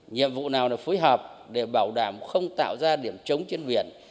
nhiệm vụ nào là phối hợp để bảo đảm không tạo ra điểm trống trên biển